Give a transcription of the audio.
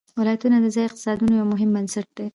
ولایتونه د ځایي اقتصادونو یو مهم بنسټ دی.